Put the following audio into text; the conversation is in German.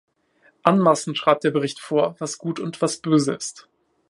Anmaßend schreibt der Bericht vor, was gut und was böse ist.